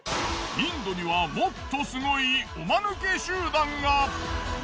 インドにはもっとすごいおマヌケ集団が。